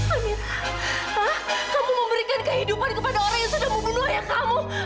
hah kamu memberikan kehidupan kepada orang yang sudah membunuh ayah kamu